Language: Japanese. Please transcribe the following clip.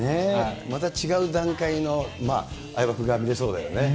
また違う段階の相葉君が見れそうだよね。